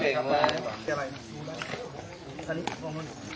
สวัสดีครับ